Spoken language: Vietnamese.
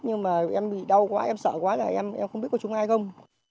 nhưng mà em bị đau quá em sợ quá là em em không biết có trúng ai không